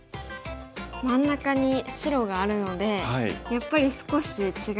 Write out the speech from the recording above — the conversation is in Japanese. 真ん中に白があるのでやっぱり少し違って見えますね。